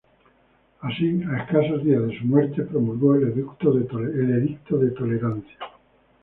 Así, a escasos días de su muerte promulgó el Edicto de Tolerancia.